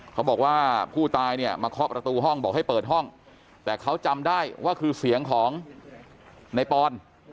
เขาบอกว่าผู้ตายเนี่ยมาเคาะประตูห้องบอกให้เปิดห้องแต่เขาจำได้ว่าคือเสียงของในปอน